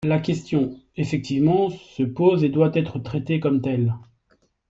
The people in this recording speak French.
La question, effectivement, se pose et doit être traitée comme telle.